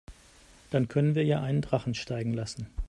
Dann können wir ja einen Drachen steigen lassen.